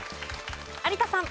有田さん。